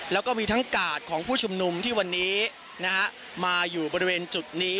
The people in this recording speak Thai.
แล้วก็มีทั้งกาดของผู้ชุมนุมที่วันนี้มาอยู่บริเวณจุดนี้